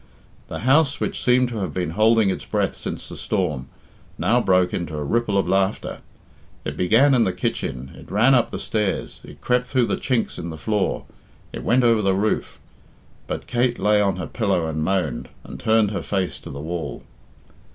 The house, which seemed to have been holding its breath since the storm, now broke into a ripple of laughter. It began in the kitchen, it ran up the stairs, it crept through the chinks in the floor, it went over the roof. But Kate lay on her pillow and moaned, and turned her face to the wall.